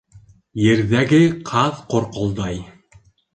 Ерҙәге ҡаҙ ҡорҡолдай.